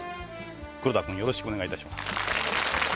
黒田君よろしくお願いいたします。